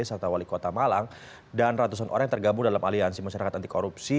serta wali kota malang dan ratusan orang yang tergabung dalam aliansi masyarakat anti korupsi